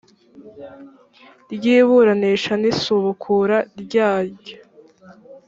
ry iburanisha n isubukura ryaryo